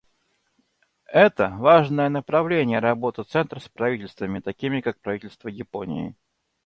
Это — важное направление работы Центра с правительствами, такими как правительство Японии.